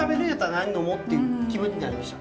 何呑もうっていう気分になりました。